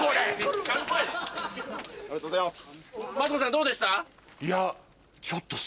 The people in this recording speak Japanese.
ありがとうございます。